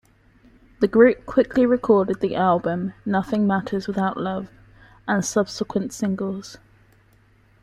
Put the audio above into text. The group quickly recorded the album "Nothing Matters Without Love" and subsequent singles.